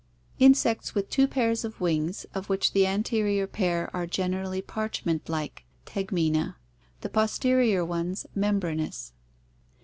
Insects with two pairs of wings of which the anterior pair are generally parchment like (tegmina), the posterior ones membranous.